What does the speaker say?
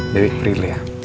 dewi pergi dulu ya